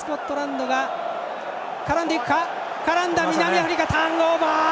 絡んだ、南アフリカターンオーバー！